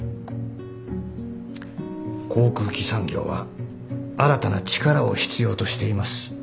航空機産業は新たな力を必要としています。